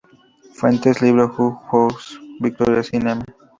Fuentes: Libro Who's Who of Victorian Cinema.